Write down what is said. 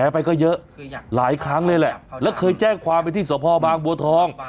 ไปก็เยอะหลายครั้งเลยแหละแล้วเคยแจ้งความไปที่สภบางบัวทอง